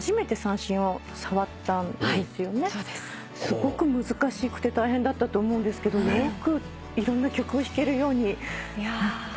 すごく難しくて大変だったと思うんですけどよくいろんな曲を弾けるようになったよね？